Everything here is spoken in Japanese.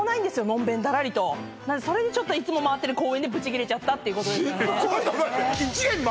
のんべんだらりとそれでいつも回ってる公園でブチギレちゃったっていうことですよね